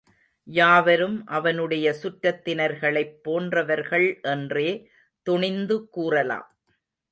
யாவரும் அவனுடைய சுற்றத்தினர்களைப் போன்றவர்கள் என்றே துணிந்து கூறலாம்.